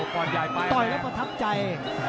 ต่อยแล้วก็ทับใจ